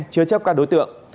chứa chấp các đối tượng